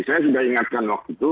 saya sudah ingatkan waktu itu